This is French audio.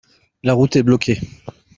La route est bloquée.